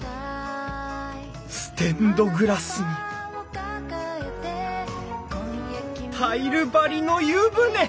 ステンドグラスにタイル張りの湯船。